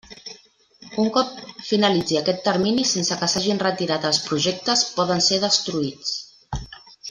Un cop finalitzi aquest termini sense que s'hagin retirat els projectes, poden ser destruïts.